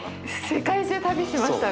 世界中旅しましたね。